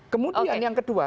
kemudian yang kedua